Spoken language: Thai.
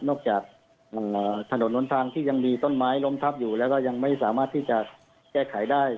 จากถนนล้นทางที่ยังมีต้นไม้ล้มทับอยู่แล้วก็ยังไม่สามารถที่จะแก้ไขได้